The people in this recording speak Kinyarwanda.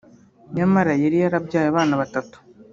nyamara yari yarabyaye abana batatu